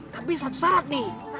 tapi satu syarat nih